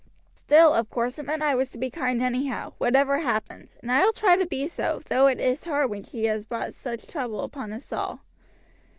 Still, of course, it meant I was to be kind anyhow, whatever happened, and I will try to be so, though it is hard when she has brought such trouble upon us all.